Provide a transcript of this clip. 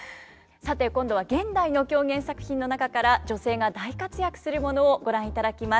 さて今度は現代の狂言作品の中から女性が大活躍するものをご覧いただきます。